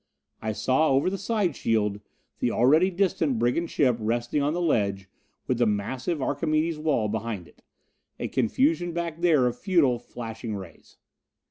I saw, over the side shield, the already distant brigand ship resting on the ledge with the massive Archimedes' wall behind it. A confusion back there of futile flashing rays.